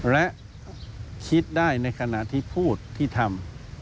และคิดได้ในขณะที่พูดที่ทำ